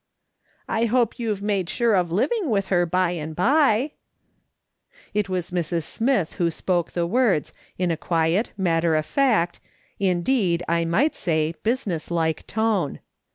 " I hope you've made sure of living with her by and by." It was Mrs. Smith who spoke the words, in a quiet, matter of fact, indeed I might say, business like tone.